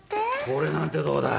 これなんてどうだ？